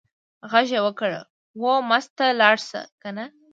غږ یې وکړ: وه مستو ته لاړه شه کنه.